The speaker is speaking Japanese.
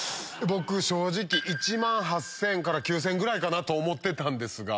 １万８０００円から９０００円ぐらいかなと思ってたんですが。